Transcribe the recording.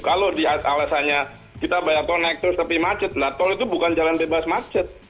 kalau alasannya kita bayar tol naik terus tapi macet nah tol itu bukan jalan bebas macet